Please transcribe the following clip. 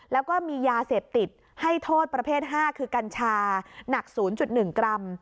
แล้วก็มียาเสพติดให้โทษประเภท๕คือกัญชาหนัก๐๑กรัม